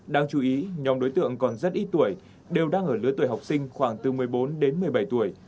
đáng chú ý nhóm đối tượng còn rất ít tuổi đều đang ở lưới tuổi học sinh khoảng bốn mươi bốn đến một mươi bảy tuổi